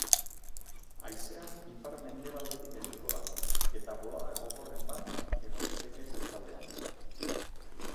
Haizea ipar-mendebaldetik helduko da, eta bolada gogorren bat egon liteke kostaldean.